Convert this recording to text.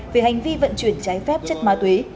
về hành vi vận chuyển trái phép chất ma túy